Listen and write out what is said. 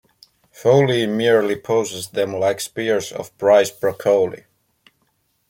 Foley merely poses them like spears of prize broccoli.